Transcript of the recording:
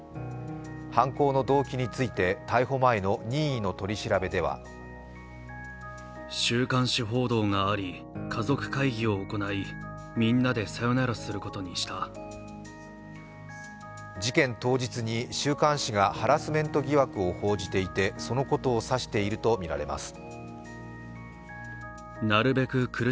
犯行の動機について逮捕前の任意の取り調べでは事件当日に週刊誌がハラスメント疑惑を報じていてそのことを指しているとみられます。